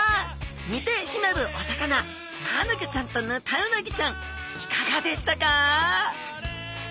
似て非なるお魚マアナゴちゃんとヌタウナギちゃんいかがでしたか？